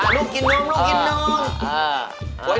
เอ้าลูกกินนุ่ง